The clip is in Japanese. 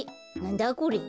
なんだこれ？